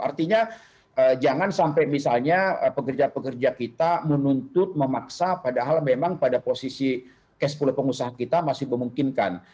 artinya jangan sampai misalnya pekerja pekerja kita menuntut memaksa padahal memang pada posisi cash flow pengusaha kita masih memungkinkan